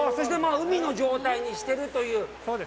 海の状態にしてるという。